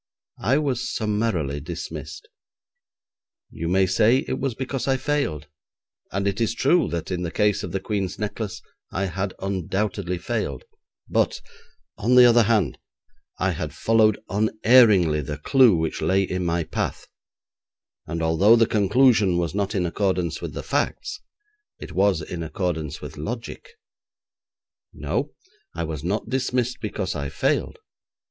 I was summarily dismissed. You may say it was because I failed, and it is true that in the case of the Queen's necklace I had undoubtedly failed, but, on the other hand, I had followed unerringly the clue which lay in my path, and although the conclusion was not in accordance with the facts, it was in accordance with logic. No, I was not dismissed because I failed.